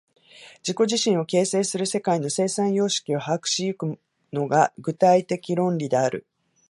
自己自身を形成する世界の生産様式を把握し行くのが、具体的論理である。